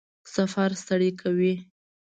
سفر ستړی کوي؟